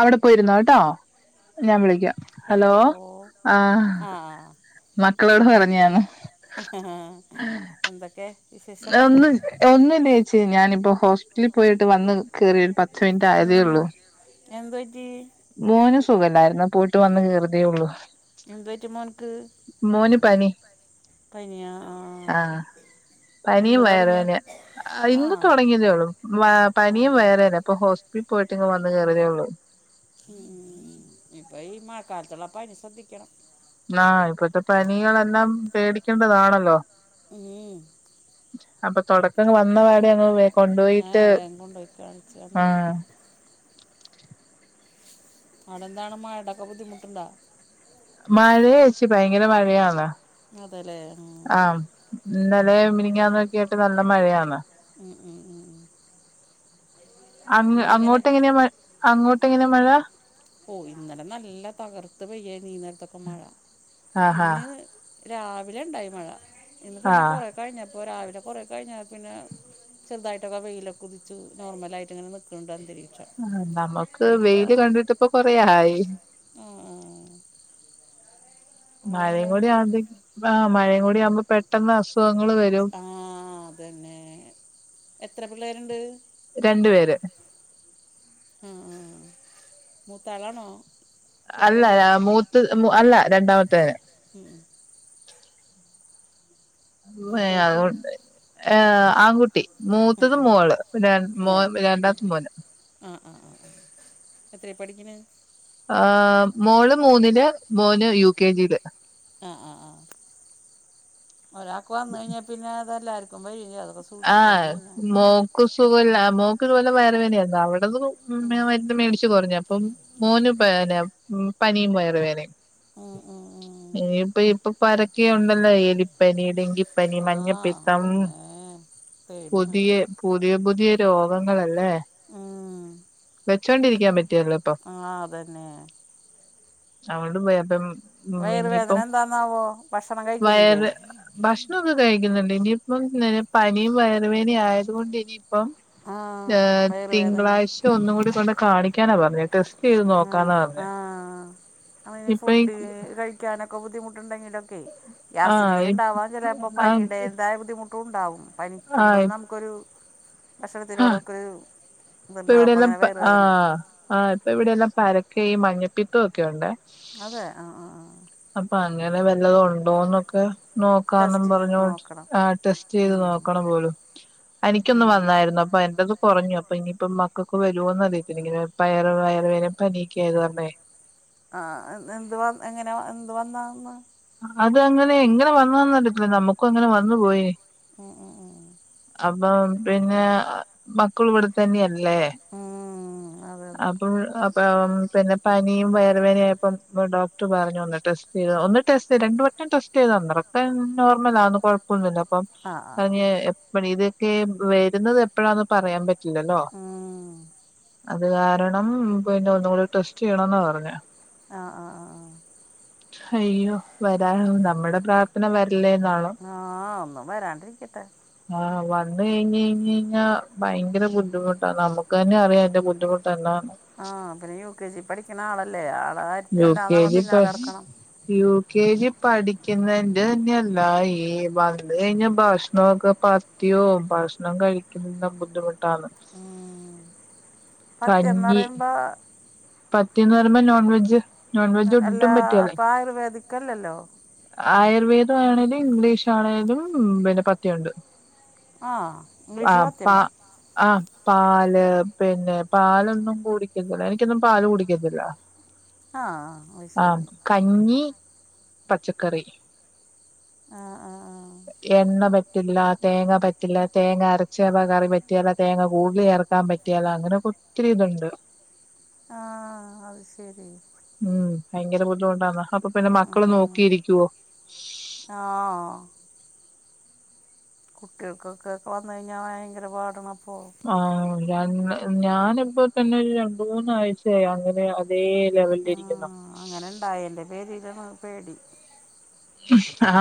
അവിടെ പോയിരുന്നോട്ടോ. ഞാൻ വിളിക്കാം ഹലോ ആഹ് ആഹ് മക്കളോട് പറഞ്ഞാണ്. ഹ ഹ ഹ എന്തക്കെ ഒന്ന്വിലെ ഒന്നില്ലെച്ചി ഞാനിപ്പോ ഹോസ്പിറ്റി ൽ പോയിട്ട് വന്ന് കേറിയ രു പ ത്തിൻറ്റായേതേ ഉം ഉള്ളു. എന്ത് പറ്റി മോന് സുഖല്ലര്ന്ന് പോയിട്ട് വന്ന് കറിതേള്ളൂ. എന്ത് പറ്റി മോൻക്ക് പനി പനിയാ ആഹ് പനിയും എന്ന് വയറു തൊടങ്ങിയാ വേദന. ഇന്ന് ആഹ് തൊടങ്ങിയതേള്ളൂ പനിയും ആഹ് വയറ് പ്പോ ഹോസ്പിൽ പോയിട്ട് ഇങ്ങ് വന്ന് കേറിതെള്ളൂ ഉംഉം ഉം ഉം ഇപ്പൊ ഈ മയ ക്കാലത്തുള്ളപ്പനി ശ്രദ്ധിക്കണം. ആഹ് ഇപ്പത്തെ പനികളെല്ലാം പേടിക്കണ്ടതാണല്ലോ? ഉം അപ്പൊ തൊടക്ക വന്ന പാടെങ്ങ് കൊണ്ടോ യിട്ട് ഏഹ് വേഗം കൊണ്ടോയി കാണിച്ച നന്നായി ആഹ് അവിടെന്താണ് മഴടക്ക ബുദ്ധിമുട്ടുണ്ടോ മഴയെച്ചി ഭയങ്കര മഴയാണ്. അതല്ലേ ആഹ് ഇന്നലെ മിനിങ്ങാന്നുവക്കയിട്ട് നല്ല മഴയാന്ന് ഉം ഉം ഉം ഉം അങ്ങ് ഇന്നെങ്ങനെ അങ്ങോട്ട് എങ്ങനെയാ മഴ അങ്ങോട്ട എങ്ങനെയാ മഴ ഓ ഇന്നലെ നല്ല തകർത്ത് പെയ്യാരുന്നു ഈനേരത്തൊക്കെ മഴ ആഹാ ഇന്ന് രാവിലെ ഉണ്ടായി മഴ ഇന്ന് പിന്നെ ആഹ് കുറെ കഴിഞ്ഞപ്പോൾ രാവിലെ കുറ കഴിഞ്ഞാൽ പിന്നെ ചെറുതായിട്ടൊക്ക വെയിലൊക്കെ കുതിച്ച് നോർമലയിട്ട ഇങ്ങനെ നിൽക്കുന്നുണ്ട് അന്തരീ ആഹ് നമുക്ക് വെയില് കണ്ടിട്ടപ്പ കൊറയായി ആഹ് ആഹ് മഴയും ആകുമ്പോഴും കു കൂടിയകുമ്പോ ആ മഴയും കൂടി ആകുമ്പോ പെട്ടെന്ന് അസുഖങ്ങള് വരും ആഹ് അതന്നെ എത്ര പിള്ളേരുണ്ട്. രണ്ടു പേര് ആഹ് ആഹ് മൂത്തളാണോ അല്ല മൂത്ത് അല്ല രണ്ടാമത്തേന് ഉം ഉം ഏ മൂത്തോട്ടി അതുകൊണ്ട് ഏ ആൺകുട്ടി ഉം മൂത്തത് ഉം. മോള് പിന്നെ രണ്ടാമത്തത് മോന് ആഹ് ആഹ് ആഹ് എത്രയെ പഠിക്കുണ് ആ മോള് മൂന്നില് മോന് യു കെ ജിയില് ആഹ് ആഹ് ആഹ് ഒരാക്ക് വന്ന് കഴിഞ്ഞാൽ പിന്നെ അതെല്ലാർക്കും വരൂല്ലേ അതൊക്കെ സൂക്ഷിക്കണം ആഹ് പിന്നെ മോക്ക് സുഖല്ല മോക്ക് ഇത് പോലെ വയറ് വേദനയായിരുന്നു അവിടന്ന് ഉം. മുന്നേ മരുന്ന് മേടിച്ചു കൊടുന്നേ അപ്പം മോന്ന് വേനയ പനിയും വയറു വേദനയും. ആഹ് ആഹ് ഇനിപ്പൊ ഇപ്പ പരക്കെയുണ്ടല്ലോ എലിപ്പനി ഡെങ്കിപ്പനി ആ മഞ്ഞപ്പിത്തം അതന്നെ പേടിയാണ് പുതിയെ പുതിയ പുതിയ രോഗങ്ങളല്ലേ ആഹ് വെച്ചൊണ്ടിരിക്കാൻ പറ്റുവല്ലോപ്പൊ ആഹ് അതന്നെ [unintelligible] ഇനിയിപ്പം വയറുവേദന എന്താന്നാവോ ഭക്ഷണം കഴിക്കണില്ലേ ഭക്ഷണം ഒക്കെ കഴിക്കുന്നുണ്ട് ഇനിയിപ്പം പനിയും വയറുവേനയും ആയതു കൊണ്ട് ഇനി അപ്പം ആ വയറുവേദന തിങ്കളാഴ്ച ഒന്ന് കൂടി കൊണ്ട് കാണിക്കാനാ പറഞ്ഞത് ടെസ് ആഹ് ആഹ് അപ്പൊ ഇനി ഇപ്പൊ ഈ ഫുഡ് കഴി ക്കാനൊക്കെ ബുദ്ധിമുട്ടുണ്ടെങ്കിലൊക്കെ ആ ഗ്യാസിന്റെണ്ടാവാൻ ചിലപ്പോ ആ പനിയടേതായ ബുദ്ധിമുട്ട് ട്ടുണ്ടാവും ആ പനിക്കുമ്പോഴും നമുക്കൊരു ഭക്ഷണത്തിനോടൊക്കെ ഒരു ഇതുണ്ടാവും അപ്പം അങ്ങനെ വയറുവേദനാ ആഹ് ഇപ്പൊ ഇവിടെയെല്ലാം പരക്കെ ഈ മഞ്ഞപ്പിത്തവും ഒക്കെയുണ്ടേ അതെ ആഹ് ആഹ് ആഹ് അപ്പൊ അങ്ങനെ വല്ലതും ഉണ്ടോന്നൊക്കെ നോക്കാന്നും ടെസ്റ്റ് ചെയ്ത് പറഞ്ഞോക്കി നോക്കണം ആഹ് ടെസ്റ്റ് ചെയ്ത് ഉം. നോക്കണം പോലും എനിക്കൊന്ന് ഉം. വന്നായിരുന്നു അപ്പൊ എന്റെതും കുറഞ്ഞു അപ്പൊ ഇനിയിപ്പ മക്കൾക്ക് വരുമോന്ന് അറിയത്തില്ല ഇങ്ങന പയർ വയർ വേദന പനിയൊക്കെ ആയത് പറഞ്ഞേ ആ എന്ത് വ എങ്ങനെ എന്ത് വന്നാന്ന് അത് അങ്ങനെ എങ്ങനെ വന്നന്നറിയത്തില്ല നമ്മുക്കും അങ്ങനെ വന്നു പോയി ഉം ഉം ഉം ഉം അപ്പം പിന്നെ മക്കളും ഇവിടെത്തന്നെയല്ലേ ഉം അതെ അതെ അപ്പം അപ് പ്പം പിന്നെ പനിയും വയർവേനയായപ്പം ഡോക്ടർ പറഞ്ഞു ഒന്ന് ടെസ്റ്റ് ചെയ്ത് ഒന്ന് ടെസ്റ്റ് ചെയ് രണ്ട് വട്ടം ടെസ്റ്റ് അത്രൊക്കെ നോർമല ആന്ന് കുഴപ്പ അപ്പം ആ ആ ആ. പറഞ്ഞ എപ്പ ഇതൊക്കെ വരുന്നത് എപ്പോഴാന്ന് പറയാൻ പറ്റില്ലല്ലോ ആഹ് അത് കാരണം പിന്നെ ഒന്നുകൂടി ടെസ്റ്റ് ചെയ്യണന്നാ പറഞ്ഞെ ആഹ -ആ -ആ- ആ് അയ്യോ വരാ നമ്മുടെ പ്രാർത്ഥന വരല്ലേ എന്നാണോ ആഹ ഒന്നും വരാണ്ടിരിക്കട്ടെ ആഹ് വന്നു കഴിഞ് കഴിഞ് കഴിഞ്ഞാ ഭയങ്കര ബുദ്ധിമുട്ടാണ് നമുക്ക് തന്നെ അറിയാം എന്റെ ബുദ്ധിമുട്ട് എന്താന്ന് ആ പിന്നെ യു കെ ജി പഠിക്കണ ആളല്ലേ യു ആളല്ലാ കെ നമ്മ ജി പിന്നാലെ എടക്കണം യു കെ ജി പഠിക്കുന്നന്റെ [unintelligible] ഈ വന്ന് കഴിഞ്ഞ ഭക്ഷണൊക്കെ എത്തിയോ ഭക്ഷണം കഴിക്കുന്ന ബുദ്ധിമുട്ടാണ് ഉ പറ്റന്ന് പറയുമ്പോ പറ്റീന്ന് പറയ്പോ നോൺ വെജ് നോൺ വെജ് ഒട്ടും അല്ലാ അപ്പൊ ആയുർവേദിക്ല്ലല്ലോ ആയുർവേദമാണെങ്കലും ഇംഗ്ലീഷ് ആണേങ്കലും പിന്നെ പറ്റിയൊണ്ട് ആഹ ഇംഗ്ലീഷില് പത്തിയണ്ടോ ആഹ പാല് പിന്നെ പാലൊന്നും കുടിക്കത്തില്ല എനിക്കൊന്നും പാല് കുടിക്കത്തില്ല [unintelligible] ആ ആ ആഹ്ശേരി കഞ്ഞി പച്ചക്കറി ആഹ ആഹ ആഹ എണ്ണ പറ്റില്ല തേങ്ങ പറ്റില്ല തേങ്ങ അരച്ചകറി പറ്റിയാല തേങ്ങ [unintelligible] പറ്റിയാല അങ്ങനൊക്കെ ഒത്തിരി ഇതുണ്ട് ആഹ അത് ശരി ഉം ഭയങ്കര ബുദ്ധിമുട്ടാന്ന അപ്പൊ പിന്നെ മക്കള് നോക്കിയിരിക്കുവോ [unintelligible] കുട്ടികൾക്കൊക്കെക്കെ വന്ന കഴിഞ്ഞാൽ ഭയങ്കര പാടണപ്പൊ ആ ര ഞാനിപ്പോ തന്നെ ഒരു രണ്ട് മൂന്നാഴ്ചയായി അങ്ങനെ അതേ ആ ലെവലിരിക്കുണു [unintelligible] പേരിലാണ് പേടി ആഹ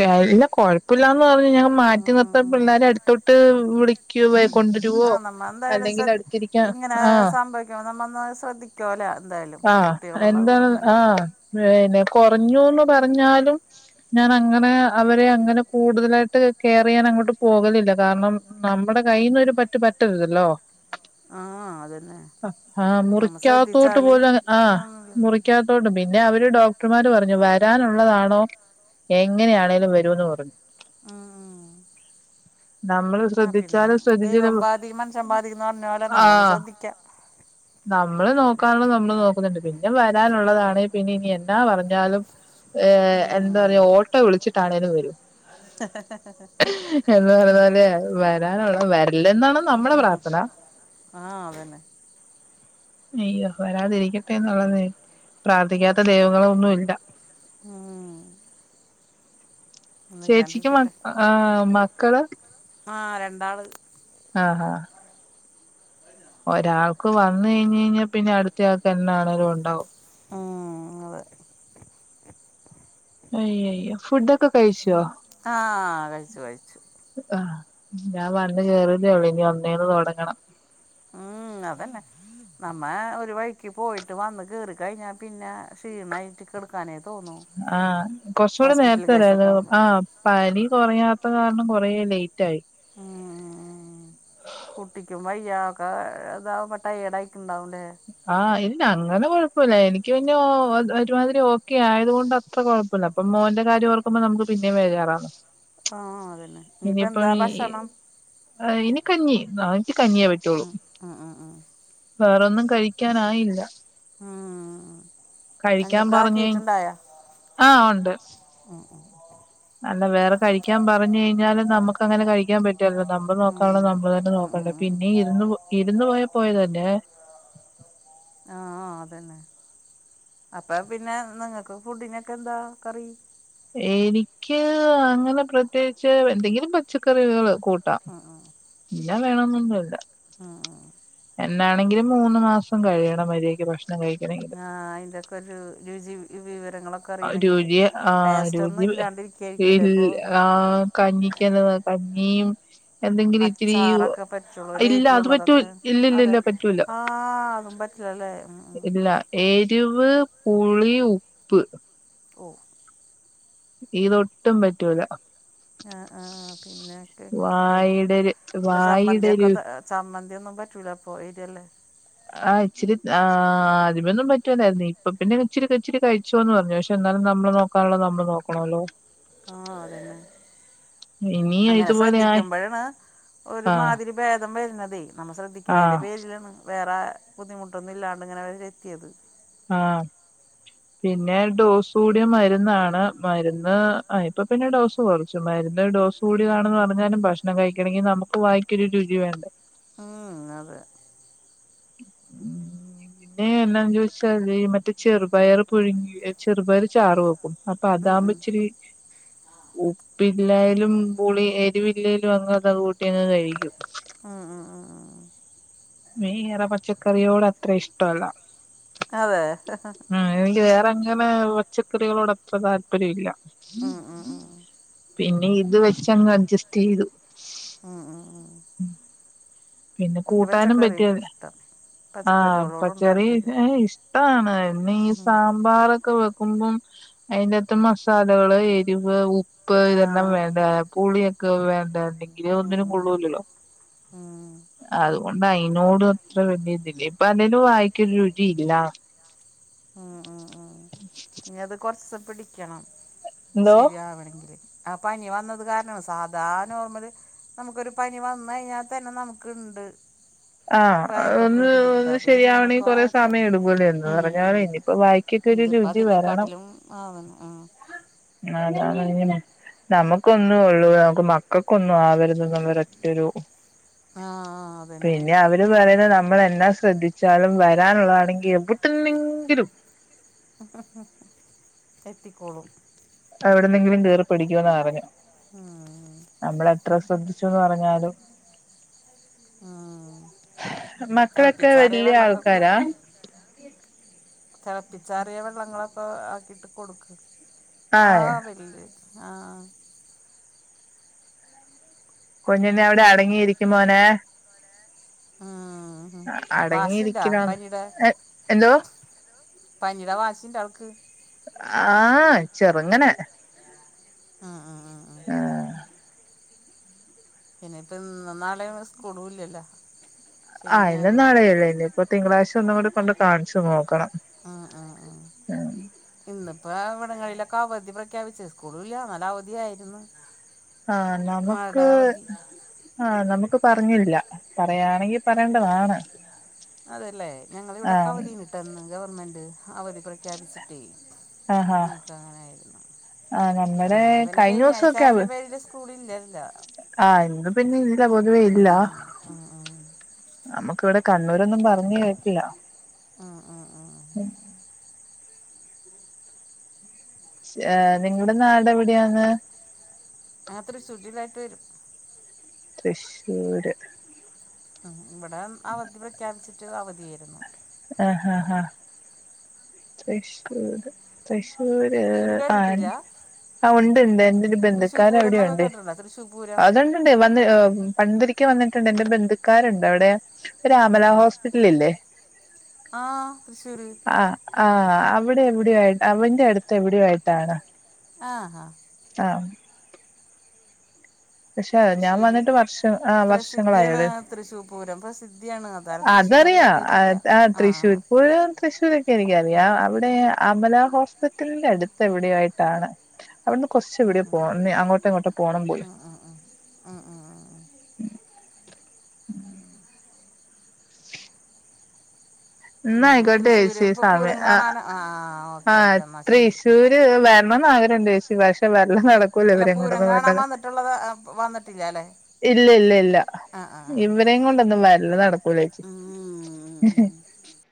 വല്ല കൊഴപ്പില്ലന്ന് പറഞ്ഞെഞാ ഉം മാറ്റി ഉം നിർത്താൻ ഉം ഉം. പിള്ളേരെ അടുത്തോട്ട് വിളിക്കോ ഉം. കൊണ്ടരുവോ ആ നമ്മൾ എന്തായാലും അല്ലെങ്കിൽ ശ്രദ്ധ അടുത്തിരി ഇങ്ങനെ സംഭവിക്കുമ്പ നമ്മന്ന് ശ്രദ്ധിക്കാവുല്ലേ എന്തായാലും ആഹ് കുട്ടികളുള്ള എന്താണ് കൂടുംബല്ലേ ആഹ് പിന്നെ കുറഞ്ഞൂന്ന് പറഞ്ഞാലും ഞാൻ അങ്ങനെ അവരെ അങ്ങനെ കൂടുതലായിട്ട് കെയർ ചെയ്യാൻ അങ്ങോട്ട് പോകലില്ല കാരണം നമ്മുടെ കയ്യിന്ന് ഒര് പറ്റ് പറ്റരുതല്ലോ ആ അതന്നെ ആ നമ്മൾ മുറിക്കാത്തോട്ട് ശ്രദ്ധിച്ചാൽ പോല ആഹ നന്നല്ലേ മുറി ക്കാത്തോണ്ട് പിന്നെ അവര് ഡോക്ടർമാർ പറഞ്ഞു വരാനുള്ളതാണോ എങ്ങനെയാണേങ്കലും വരുന്ന് പറഞ്ഞു ആഹ ആ നമ്മള് പിന്നെ ശ്രദ്ധിച്ചാലും ദൈവം ശ്രദ്ധിച്ചില്ലങ്കിലും ബാധിക്കും മനുഷ്യൻ ബാധിക്കുന്ന പറഞ്ഞ പോലെ നമ്മൊന്ന് ആഹ ശ്രദ്ധിക്കാം നമ്മള് നോക്കാാനുള്ളത് നമ്മള് നോക്കുന്നുണ്ട് പിന്നെ വരാനുള്ളതാണങ്കി പിന്നെ ഇനി എന്താ പറഞ്ഞാലും ഏ... എന്താ പറയാ ഉം. ഓട്ടോ വിളിച്ചിട്ടാണേിലും വരും എന്ന് പറഞ്ഞപോലെയായി വരാനുള്ളത് വരട്ടെ ഹ് -ഹ് ആഹ അതെന്നെ അയ്യോ വരാതിരിക്കട്ടെ എന്നുള്ളത് പ്രാർത്ഥിക്കാത്ത ദൈവങ്ങളൊന്നുല്ല ഉം ഒന്നും ചേച്ചിക്ക് മ ഇല്ലാണ്ടിരിക്കട്ടെ ആ മക്കള്? ആ രണ്ടാള് ആഹ ആഹ [unintelligible] ഒരാൾക്ക് വന്ന് കയിഞ്ഞ് കയിഞ്ഞാൽ പിന്നെ അടുത്തയാൾക്ക് എന്നാണെങ്കിലും ഉണ്ടാവും ആ അതെ അയ്യോയ്യോ ഫുഡൊക്കെ കയിച്ചോ? ആഹ കഴിച്ചു കഴിച്ചു ആഹ ഞാൻ വന്ന് കേറിതേള്ളൂ ഇനി ഒന്നേന്ന് തുടങ്ങണം ഉം അതന്നെ നമ്മ ഒരു വഴിക്ക് പോയിട്ട് വന്ന് കേറി കഴിഞ്ഞാ പിന്നെ ക്ഷീണായിട്ട് കിടക് ക്കാനേ തോന്നു ആഹ് കൊറച്ചുകൂടി നേരത്തെ കേസൊക്കെ വരായിരുന്നു ആകുമ്പോൾ ആഹ പനി കുറയാത്ത കാരണം കുറേ ലേ ഉം ഉ ഉ കുട്ടി ട്ടിക്കും വയ്യ ഒക്കെ ഇതാ ട്ടയേർഡ് ആയിട്ടുണ്ടാവുംല്ലേ ആഹ് ഇല്ല അങ്ങനെ കൊഴപ്പില്ല എനിക്ക് പിന്ന ഒരുമാതിരി ഓക്കെ ആയത് കൊണ്ട് അത്ര കൊഴപ്പില്ല അപ്പം മോന്റെ കാര്യം ഓർക്കുമ്പോ നമുക്ക് പിന്നേ വേജാറാ ആഹ അതന്നെ ഇനിപ്പാ എന്താ ഭക്ഷണം? അയ്നി കഞ്ഞി അവനിക്ക് കഞ്ഞിയേ പറ്റുള്ളൂ ആഹ ആഹ ആഹ ആഹ വേറൊന്നും കഴിക്കാനായില്ല ഉം കഞ്ഞിയൊക്കെ ആക്കീട്ടുണ്ടായ ആ് ഉണ്ട് ഉം ഉം അല്ല വേറെ കഴിക്കാൻ പറഞ്ഞു കഴിഞ്ഞാലും നമുക്ക് അങ്ങനെ കഴിക്കാൻ പറ്റുമോ? ഇല്ല നമ്മൾ ഉം നോക്കാനുള്ളോ നമ്മൾ തന്നെ ഉം ഉം നോക്കണ്ടേ ഉം പിന്നെ ഇരുന്ന് പോയാ പോയ പോയതന്നെ ആഹ അതന്നെ അപ്പൊ പിന്നെ നിങ്ങക്ക് ഫുഡിനൊക്കെ എന്താ കറി എനിക്ക് അങ്ങനെ പ്രത്യേകിച്ച് എന്തെങ്കിലും പച്ചക്കറികൾ കൂട്ടാം ആഹ് ആഹ് ഇന്നത് വേണന്നൊന്നുല്ല ആഹ ആഹ് എന്നാണെങ്കിലും മൂന്ന് മാസം കഴിയണം മര്യാക്ക് ഭക്ഷണം കഴിക്കണ ആ് അതിന്റെക്കെ ഒരു രുചി വിവരങ്ങളൊക്കെ അറിയണെങ്കില് രുചിയ ആ ടേസ്റ്റ് ഒന്നും രുചി ഇല്ലാണ്ടിരിക്കായിരിക്കുംല്ലേ ഇപ്പൊ ഇല്ല ആ കഞ്ഞക്ക്ന്ത കഞ്ഞിയും എന്തെങ്കിലും ഇത്തിരി അച്ചാറൊക്കെ പറ്റുള്ളൂ ഇല്ല അത് പറ്റൂ ഇല്ല ഇല്ല ഇല്ല പറ്റൂല്ല ആഹ് അതും പറ്റില്ലല്ലേ ഉം ഉം ഇല്ല എരിവ് പുളി ഉപ്പ് ഓ ഈതൊട്ടും പറ്റൂല ആ ആഹ പിന്നെ ഒക്കെ ഇങ്ങനെയ വായുടെ വായുടെ ചമ്മന്തിക്കെ രു ചമ്മന്തിയൊന്നും പറ്റൂലപ്പോ ഏരിയല്ലേ ആഹ് ഇച്ചരി ആ്ദ്യമൊന്നും പറ്റുല്ലായിരുന്നു ഇപ്പൊ പിന്നെ ഇച്ചിരി ഇച്ചിരി കഴിച്ചോന്ന് പറഞ്ഞു പക്ഷെ എന്നാലും നമ്മള് നോ നോക്കാനുള്ള നമ്മള് നോക്കണമല്ലോ ആഹ അതെന്നെ ഇനി അങ്ങനെ ഇതുപോലെ ആയി ശ്രദ്ധിക്കുമ്പോഴാണ് ആ ഒരുമാതിരി ഭേദ ം വരുന്നതെ നമ്മൾ ആ ശ്രദ്ധിക്കണേതിന്റെ പേരിലാണ് വേറെ ബുദ്ധിമുട്ടൊന്നും ഇല്ലാണ്ട് ഇങ്ങനെ അവരെ എത്തിയത് ആഹ പിന്നെ ഡോസ് കൂടിയ മരുന്നാണ് മരുന്ന് ഇപ്പൊ പിന്നെ ഡോസ് കുറച്ച് മരുന്ന ഒരു ഡോസ് കൂടിയതാണെന്ന് പറഞ്ഞാലും ഭക്ഷണം കഴിക്കണെങ്കിൽ നമുക്ക് വായിക്കൊരു രുചി വേണ്ട ഉം അതെ മ് പി എന്നാന്ന് ചോദിച്ചാല് ഈ മറ്റേ ചെറുപയർ പുഴുങ്ങി ചെറുപയർ ചാറു വേ അപ്പൊ ഉം, അതാമ്പ ഉം. ഇച്ചിരി ഉപ്പില്ലായാലും പുളി എരിവില്ലലും അങ്ങ് അത് കൂട്ടിങ്ങ് കഴിക്കും ആഹ് ആഹ് ആഹ് മീറ പച്ചക്കറിയോട് അത്ര ഇഷ്ടല്ല അതെ ഹ് ഹ് എനിക്ക് വേറെങ്ങനെ പച്ചക്കറികളോട് അത്ര താല്പര്യ ഇല്ല ഉം, ഉം, ഉം. പിന്നെ ഇത് വെച്ചങ്ങ് അഡ്ജസ്റ്റ് ചെയ്തു ആഹ് ഉം ഉം പിന്നെ കൂ എനിക്ക് പച്ചക്കറി പറ്റിയ ഇഷ്ടം ആഹ് പച്ചക്കറികളോടും ചെറിയ താല്പര്യം ഇഷ്ടമാണ് ഇ ഉം. സാമ്പാരൊക്കെ വെക്കുമ്പം അതിന്റെത്ത് മസാലകള് എരിവ് ഉ പ്പ് ആ ഇതെല്ലാം വേണ്ട പുളിയൊക്കെ വേണ്ടല്ലെങ്കിൽ ഇങ്ങനെ ഉം, ഒന്നിനും ഉം, കൊള്ളൂല്ലല്ലോ ഉം. അതുകൊണ്ട് അയിതിനോട് അത്ര വല്യ ഇതില്ലേ ഇപ്പൊ അതിനും വായിക്കരു രുചി ഇല്ല ഉം ഉം ഉം ഇനി അത് കുറച്ച് പിടിക്കണം എന്തോ ശരിയാവണമെങ്കിൽ ആഹ് പനി വന്നത് കാരണംമാണ് സാധാരണ നോർമ്മല് നമുക്കൊരു പനി വന്ന് കഴിഞ്ഞാൽ തന്നെ നമുക്ക്ണ്ട് ആഹ ഒന്ന് ഒന്ന് പിന്നെ ശരിയാവണെങ്കിൽ ഇങ്ങനൊക്കെ കൊറെേ ആയപ്പോൾ സമയം ഇടുപൂലേ എന്ന് ഉം പറഞ്ഞാ ഉം ഇനിയിപ്പോ വായിക്കൊക്കെ ഒരു ഇതിപ്പോൾ രുചി വരണം അതിനെക്കാട്ടിലും ആവുന്നു ആ ആതങ്ങനെ നമുക്കൊന്നും ഉള്ളൂ നമുക്ക് മക്കൾക്കൊന്നും ആവരുന്ന ന ഒര ഒറ്റൊരു ആഹ് ആഹ് പിന്നെ അവര് പറയുന്ന നമ്മൾ എന്നാ ശ്രദ്ധിച്ചാലും വരാനുള്ളതാണെങ്കിൽ എവിട്ടെങ്കിലും ഹ ഹ എത്തിക്കോളും എവിടെന്നെങ്കിലും കേറി പിടിക്കുന്ന് പറഞ്ഞേ ഉം നമ്മൾ എത്ര ശ്രദ്ധിച്ചുന്ന് പറഞ്ഞാലും ഉം. മക്കളൊക്കെ തിളപ്പിച്ചാറിയ വലിയ വെള്ളമൊക്കെ ആൾക്കാരാ തിളപ്പിച്ചറിയ വെള്ളങ്ങളൊക്കെ ആക്കിട്ട് കൊടുക്ക് ആഹ് വല്യയ ആഹ് കൊഞ്ഞിനെ അവിടെ അടങ്ങിയിരിക്കുമോനെ ആഹാ വാശിണ്ടൊ അടങ്ങിയിരിക്കണോന്ന് പനീടെ എന്തോ പനീടെ വാശിണ്ട് വൾക്ക് ആഹ് ചെറുങ്ങനെ ആഹ് ആഹ് ആഹ് ആഹ് പിന്നെപ്പോ ഇന്ന് നാളെയും സ്കൂളല്ലല്ലോ ആഹ് എന്റെ നാട് ഏഴന്തിപ്പൂ തിങ്കളാഴ്ച ഒന്നും കൂടെ കൊണ്ട് യി കാണിച്ചു നോക്കണം ആഹ് ആഹ് ആഹ് ഇന്നിപ്പോ ഇവിടങ്ങളിലൊക്കെ അവധി പ്രഖ്യാപിച്ചത് സ്കൂള ഇല്ല എന്നാല അവധിയ ആയിരുന്നു ആഹ് നമുക്ക് ആഹ് നമുക്ക് പറഞ്ഞില്ല പറയാണെങ്കിൽ അതല്ലേ ഞങ്ങളിവിടെ ആഹ് കവതിന് പെട്ടെന്ന് ഗവണ്മെൻറ് അവധി പ്രഖ്യാപിച്ചിട്ടേ ആഹാ ഞങ്ങക്ക് അങ്ങനായിരുന്നു ആഹ് പക്ഷെ നമ്മടെ ഇന്ന് പിന്നെ കഴിഞ്ഞ ശനിയാഴ്ച ദിവസൊക്കെ അവ അയിന്റെ പേരില് സ്കൂളില്ലല്ലോ ആഹ് ഇന്ന് പിന്നെ ഇല്ല പൊതുവെ ഉം ഇല്ല ഉം ഉം നമ്മുക്ക് ഇവിടെ കണ്ണൂരൊന്നും പറഞ്ഞ് കേക്കില്ല ആഹ് ആഹ് ആഹ് ഉം നിങ്ങളുടെ നാട് എവിടെയാണ് അങ്ങതൊരു ശുചിപാക്കേജ് തൃശ്ശൂര് ഉമ് ഇവിടെ അവധി പ്രഖ്യാപിച്ചിട്ട് അവധിയായിരുന്നു. ആഹ് ആഹ് ആഹ് തൃശ്ശൂർ തൃശൂര് തൃശ്ശൂർ ആണ്. കേട്ടിട്ടില്ല ആഹ് ഉണ്ട്ണ്ട് എന്റെരു തൃശ്ശൂർ ബന്ധുക്കാര് പൂരം എന്നൊക്കെ അവിടെയുണ്ട് കേട്ടിട്ടുണ്ടോ തൃശ്ശൂർ പൂരം അത്ണ്ട് ണ്ട് വ് പണ്ടൊരിക്കെ വന്നിട്ടുണ്ട് എന്റെ ബന്ധുക്കാരുണ്ട് അവിടെ ഒരു അമല ഹോസ്പിറ്റലില്ലേ ആഹ് തൃശ്ശൂര് ആഹ് ആഹ് അവിടെ എവിടെയ് ആയിട്ട് അവന്റെ അടുത്ത് എവിടെയയിട്ടാണ്. ആഹ് ഹാ ആഹ് പക്ഷേ ഞാൻ തൃശ്ശൂർ വന്നിട്ട് വർഷം ആഹ് വർഷങ്ങളായോടെ തൃശൂപൂരം പ്രസിദ്ധ ധിയാണ്. അതറിയാ ആഹ് ആ തൃശൂർപൂരം തൃശ്ശൂരൊക്കെ എനിക്കറിയാം അവിടെ അമല ഹോസ്പിറ്റലിന്റെ അടുത്ത് എവിടെ ആയിട്ടാണ്. അവിടുന്ന് കുറച്ച് ഉം എവിടെ പോ അങ്ങോട്ടോ ഇങ്ങോട്ടോ പോണം പോലും. ആഹ് ആഹ് ആഹ് എന്ന പിന്നെ ആയിക്കോട്ടെ തൃശ്ശൂർ ചേച്ചി ഇപ്പോൾ സമയം പൂരം ആഹ് കാണാൻ ആ ഓക്കെ ആഹ് ഓക്കെ എന്നാൽ ശരി തൃശൂർ വരണംന്ന് ആഗ്രഹംണ്ട് ചേച്ചി പക്ഷെ വരല് നട നടക്കുല അല്ല പൂരം കാണാൻ ഇവങ്ങോണ്ടൊന്നുംഇല്ല വന്നിട്ടുള്ളത് ആ, വന്നിട്ടില്ല അല്ലേ ഇല്ല ഇല്ല ആ ആ ഇവ ആ ഇവരെ കൊണ്ടൊന്നും വല്ല നടക്കൂല. ഉം ഉം ഉം